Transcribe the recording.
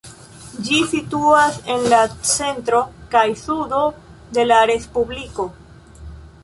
Ĝi situas en la centro kaj sudo de la respubliko.